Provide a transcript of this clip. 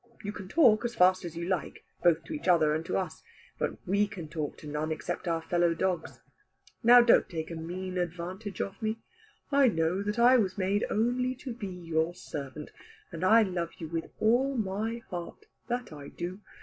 You can talk, as fast as you like, both to each other and to us, but we can talk to none except our fellow dogs. Now don't take a mean advantage of me. I know that I was made only to be your servant, and I love you with all my heart, that I do.